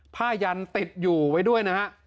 ผ้ายันติดอยู่ไว้ด้วยนะฮะ